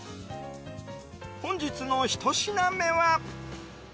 本日のひと品目は。